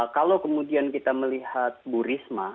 kalau kemudian kita melihat bu risma